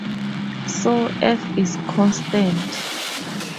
So, "f" is constant.